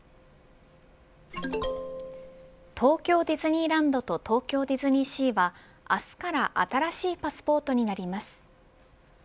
東京ディズニーランドと東京ディズニーシーは明日から新しいパスポートになります。